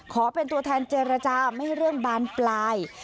ขอเป็นตัวแทนเจรจาไม่ให้เรื่องบานปลาย